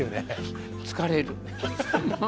疲れる。